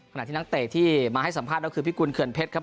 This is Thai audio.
นักที่นักเตะที่มาให้สัมภาษณ์ก็คือพิกุลเขื่อนเพชรครับ